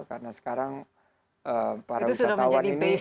karena sekarang para usahawan ini